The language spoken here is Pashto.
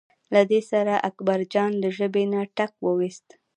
له دې سره اکبرجان له ژبې نه ټک وویست.